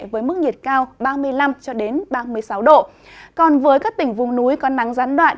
với mức nhiệt cao ba mươi năm ba mươi sáu độ còn với các tỉnh vùng núi còn nắng gián đoạn